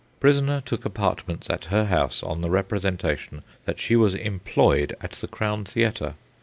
Prisoner took apartments at her house on the representation that she was employed at the Crown Theatre.